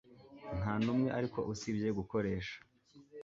Ntanumwe ariko usibye gukoresha